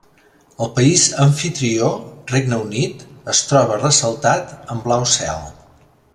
El país amfitrió, Regne Unit, es troba ressaltat en blau cel.